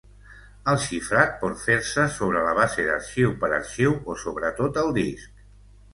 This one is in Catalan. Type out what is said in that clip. El xifrat pot fer-se sobre la base d'arxiu per arxiu o sobre tot el disc.